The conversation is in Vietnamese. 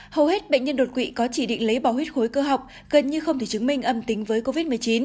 hầu hết bệnh nhân đột quỵ có chỉ định lấy bào huyết khối cơ học gần như không thể chứng minh âm tính với covid một mươi chín